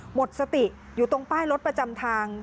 หมดสติอยู่ตรงป้ายรถประจำทาง